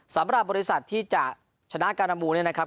สำหรับบริษัทที่จะชนะการามูเนี่ยนะครับ